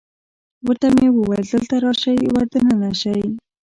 ورته مې وویل: دلته راشئ، ور دننه شئ.